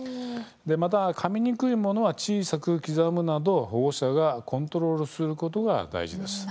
また、かみにくいものは小さく刻むなど保護者がコントロールすることが大事です。